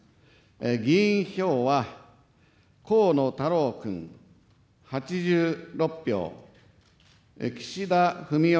議員票は、河野太郎君８６票、岸田文雄